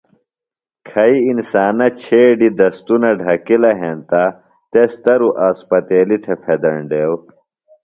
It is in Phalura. کھئی انسانہ چھیڈیۡ دستُنہ ڈھکِلہ ہینتہ تس تروۡ اسپتیلیۡ تھےۡ پھیدینڈیوۡ۔